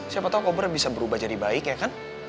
siapa tahu kobar bisa berubah jadi baik ya kan